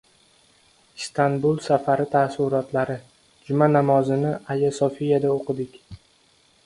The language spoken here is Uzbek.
Istanbul safari taassurotlari: “Juma namozini Ayo Sofiyada o‘qidik...”